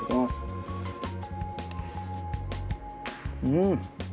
うん！